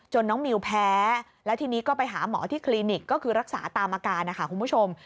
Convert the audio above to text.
น้องมิวแพ้แล้วทีนี้ก็ไปหาหมอที่คลินิกก็คือรักษาตามอาการนะคะคุณผู้ชม